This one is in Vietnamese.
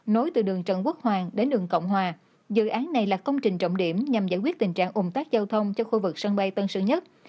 nối từ đường trần quốc hoàng đến đường cộng hòa dự án này là công trình trọng điểm nhằm giải quyết tình trạng ủng tác giao thông cho khu vực sân bay tân sơn nhất